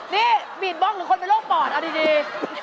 นี่บีดบ้องหรือคนเป็นโรคปอดเอาดี